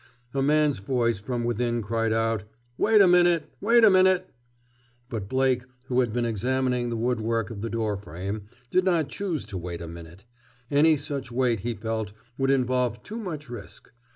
A man's voice from within cried out, "Wait a minute! Wait a minute!" But Blake, who had been examining the woodwork of the door frame, did not choose to wait a minute. Any such wait, he felt, would involve too much risk.